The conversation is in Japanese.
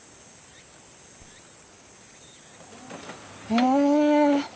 へえ。